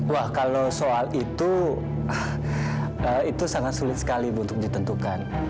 wah kalau soal itu itu sangat sulit sekali untuk ditentukan